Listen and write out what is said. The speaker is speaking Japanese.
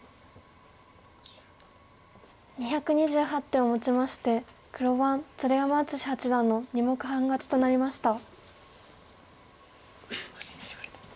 ２２８手をもちまして黒番鶴山淳志八段の２目半勝ちとなりました。